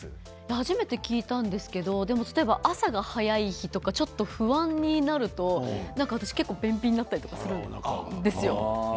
初めて聞いたんですけど例えば、朝が早い日とかちょっと不安になると私、結構便秘になったりするんですよ。